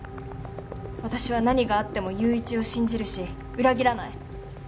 私は何があっても友一を信じるし裏切らない。